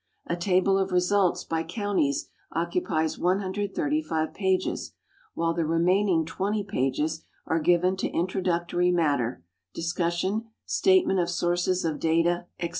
A table of results by counties occupies 135 pages, while the remaining 20 pages are given to introductory matter, discussion, state ment of sources of data, etc.